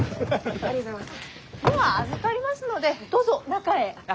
ありがとうございます！